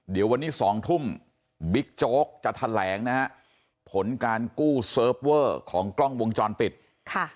เดี๋ยววันนี้สองทุ่มบิ๊กโจ๊กจะแถลงนะฮะผลการกู้เซิร์ฟเวอร์ของกล้องวงจรปิดค่ะ